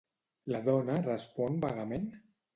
La dona respon vagament?